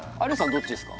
どっちですか？